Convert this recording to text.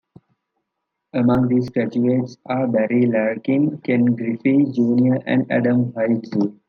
Among these graduates are Barry Larkin, Ken Griffey, Junior and Adam Hyzdu.